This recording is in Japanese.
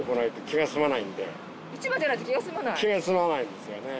気が済まないんですよね。